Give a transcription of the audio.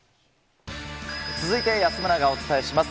続いて安村がお伝えします。